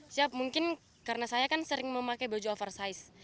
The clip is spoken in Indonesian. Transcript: siap mungkin karena saya kan sering memakai baju oversize